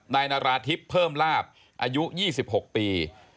นายนาราธิบเพิ่มลาบอายุ๒๖ปี